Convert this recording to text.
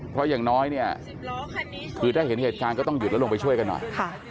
เพราะอย่างน้อยเนี่ยคือถ้าเห็นเหตุการณ์ก็ต้องหยุดแล้วลงไปช่วยกันหน่อย